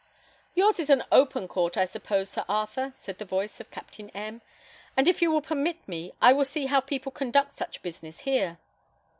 "Yours is an open court, I suppose, Sir Arthur," said the voice of Captain M ; "and if you will permit me, I will see how people conduct such business here."